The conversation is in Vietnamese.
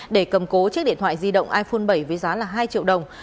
để cầm cố chiếc điện thoại di động iphone bảy với giá hai triệu đồng